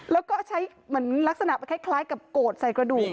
แล้วก็ใช้ลักษณะที่คล้ายกับโกดใส่กระดูก